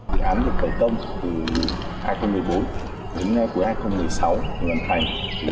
dự án được khởi công từ hai nghìn một mươi bốn đến cuối hai nghìn một mươi sáu hoàn thành